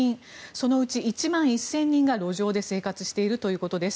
そのうち１万１０００人が路上で生活しているということです。